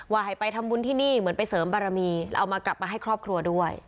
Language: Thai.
ให้ไปทำบุญที่นี่เหมือนไปเสริมบารมีเอามากลับมาให้ครอบครัวด้วย